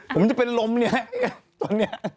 ผมจะเป็นลมเนี่ยตอนนี้